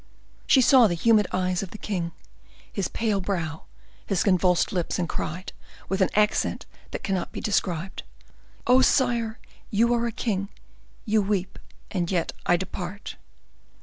She saw the humid eyes of the king, his pale brow, his convulsed lips, and cried, with an accent that cannot be described,— "Oh, sire! you are a king, you weep, and yet I depart!"